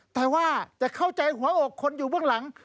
แต่ว่าจะเข้าใจหัวอกคนอยู่เบื้องหลัง